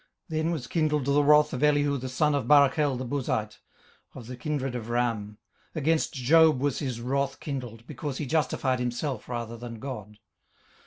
18:032:002 Then was kindled the wrath of Elihu the son of Barachel the Buzite, of the kindred of Ram: against Job was his wrath kindled, because he justified himself rather than God.